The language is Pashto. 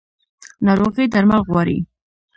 ناروغي درمل غواړي